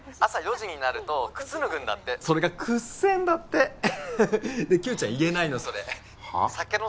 朝４時になると靴脱ぐんだってそれが臭えんだってで九ちゃん言えないのそれはっ！？